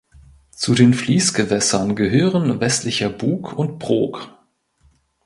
Zu den Fließgewässern gehören Westlicher Bug und Brok.